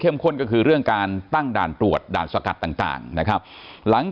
ข้นก็คือเรื่องการตั้งด่านตรวจด่านสกัดต่างนะครับหลัง